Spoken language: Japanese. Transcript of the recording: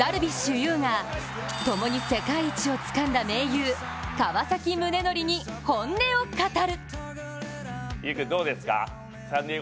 有がともに世界一をつかんだ盟友・川崎宗則に本音を語る。